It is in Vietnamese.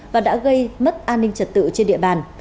và đã gây mất an ninh trật tự trên địa bàn